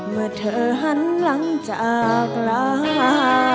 เมื่อเธอหันหลังจากลา